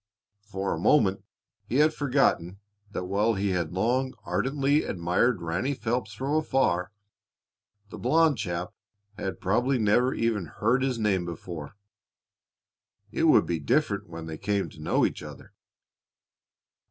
For a moment he had forgotten that while he had long ardently admired Ranny Phelps from afar, the blond chap had probably never even heard his name before. It would be different when they came to know each other.